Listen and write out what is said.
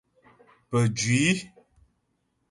Pəjwî.